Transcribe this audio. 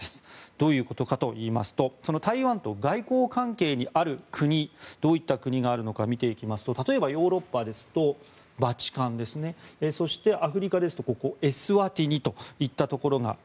どういうことかといいますと台湾と外交関係にある国どういった国があるのか見ていきますと例えばヨーロッパですとバチカン、そしてアフリカですとエスワティニといったところ。